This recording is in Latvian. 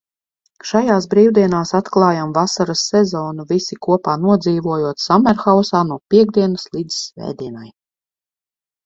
Šajās brīvdienās atklājam vasaras sezonu, visi kopā nodzīvojot sammerhausā no piektdienas līdz svētdienai.